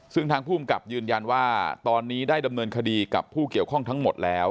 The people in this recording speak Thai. ซึ่งทางภูมิกับยืนยันว่าตอนนี้ได้ดำเนินคดีกับผู้เกี่ยวข้องทั้งหมดแล้ว